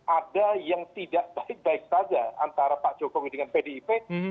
ada yang tidak baik baik saja antara pak jokowi dengan pdip